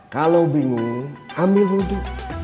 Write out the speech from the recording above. kalau bingung ambil wudhu